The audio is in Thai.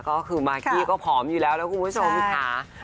ก็คือมากกี้ก็ผอมอยู่แล้วนะคุณผู้ชมค่ะ